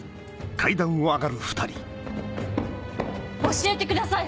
教えてください！